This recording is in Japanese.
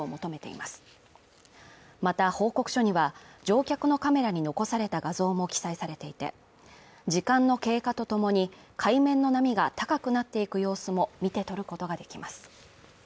また報告書には乗客のカメラに残された画像も記載されていて時間の経過とともに海面の波が高くなっていく様子も見て取ることができます